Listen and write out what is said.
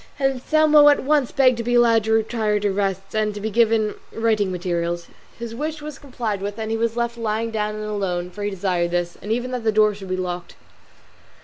Anselmo at once begged to be allowed to retire to rest, and to be given writing materials. His wish was complied with and he was left lying down and alone, for he desired this, and even that the door should be locked.